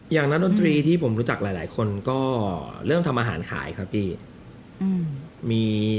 อย่างนักดนตรีที่ผมรู้จักหลายคนก็เริ่มทำอาหารขายครับพี่